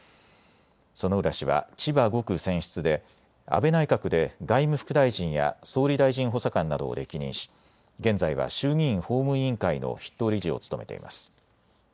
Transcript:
薗浦氏は千葉５区選出で安倍内閣で外務副大臣や総理大臣補佐官などを歴任し現在は衆議院法務委員会の筆頭理事を務めています。